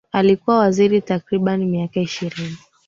Alikuwa waziri takribani miaka ishirini